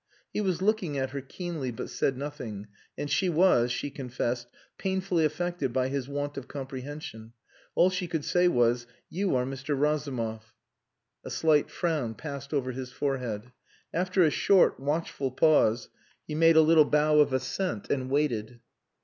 He was looking at her keenly, but said nothing, and she was she confessed painfully affected by his want of comprehension. All she could say was: "You are Mr. Razumov." A slight frown passed over his forehead. After a short, watchful pause, he made a little bow of assent, and waited.